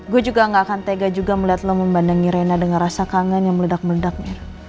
gue juga gak akan tega juga melihat lo membandangi reina dengan rasa kangen yang meledak meledak mir